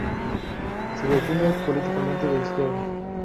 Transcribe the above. Se define políticamente de izquierda.